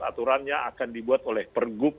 aturannya akan dibuat oleh pergub